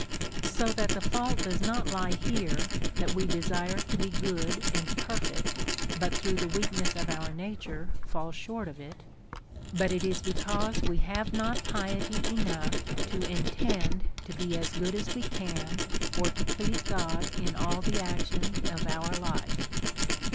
So that the fault does not lie here, that we desire to be good and perfect, but through the weakness of our nature fall short, of it; but it is because we have not DEVOUT AND HOLY LIFE. 19 piety enoug'h to intend to be as good as we can^ or to please God in all the actions of our life.